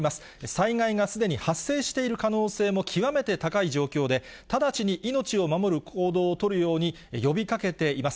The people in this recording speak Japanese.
災害がすでに発生している可能性も極めて高い状況で、直ちに命を守る行動を取るように、呼びかけています。